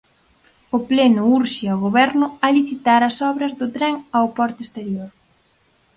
O pleno urxe ao Goberno a licitar as obras do tren ao porto exterior.